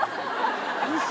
ウソ！